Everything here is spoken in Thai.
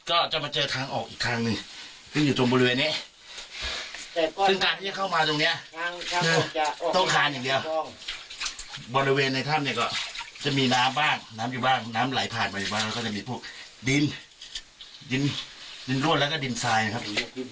ก็จะมาเจอทางออกอีกทางหนึ่งซึ่งอยู่ตรงบริเวณนี้ซึ่งการที่จะเข้ามาตรงเนี้ยต้องทานอย่างเดียวบริเวณในถ้ำเนี่ยก็จะมีน้ำบ้างน้ำอยู่บ้างน้ำไหลผ่านมาอยู่บ้างแล้วก็จะมีพวกดินดินรวดแล้วก็ดินทรายนะครับ